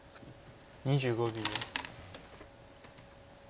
２５秒。